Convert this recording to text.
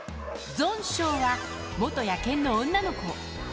ゾンショウは、元野犬の女の子。